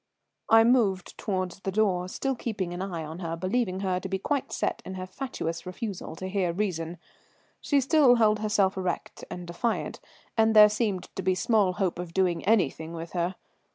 I moved towards the door, still keeping an eye on her, believing her to be quite set in her fatuous refusal to hear reason. She still held herself erect and defiant, and there seemed to be small hope of doing anything with her.